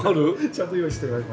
ちゃんと用意してあります。